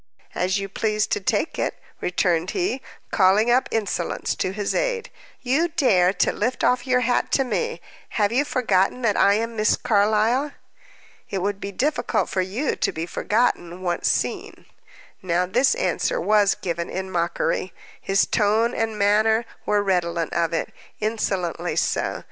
"As you please to take it," returned he, calling up insolence to his aid. "You dare to lift off your hat to me! Have you forgotten that I am Miss Carlyle?" "It would be difficult for you to be forgotten, once seen." Now this answer was given in mockery; his tone and manner were redolent of it, insolently so.